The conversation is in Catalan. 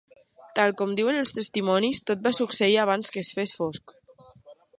Tal com diuen els testimonis, tot va succeir abans que es fes fosc.